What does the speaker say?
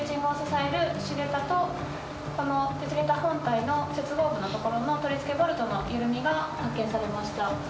このグレーチングを支える主桁とこの鉄桁本体の接合部の所の取り付けボルトの緩みが発見されました。